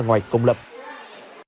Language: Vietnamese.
ngoài công lập ừ ừ